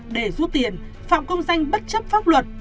để rút tiền phạm công danh bất chấp pháp luật